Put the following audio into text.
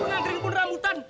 waduh pengadring peneramutan